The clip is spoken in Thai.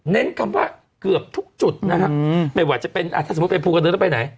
เน้นคำว่าเกือบทุกจุดนะครับไม่ว่าจะเป็นอ่าถ้าสมมติเป็นภูก็เดินไปไหน